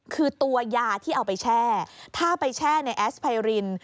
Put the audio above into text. คือตัวยาที่เอาไปแช่ถ้าไปแช่ในแอสไพริน